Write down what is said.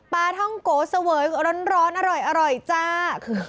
ปลาท่องโกเสวยร้อนอร่อยจ้า